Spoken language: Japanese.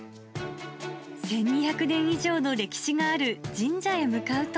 １２００年以上の歴史がある神社へ向かうと。